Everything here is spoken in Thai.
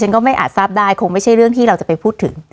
ก็ไม่อาจทราบได้คงไม่ใช่เรื่องที่เราจะไปพูดถึง